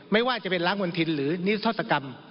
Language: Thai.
ไม่ว่าจะเป็นล้างมณฑินหรือนิทธศกรรม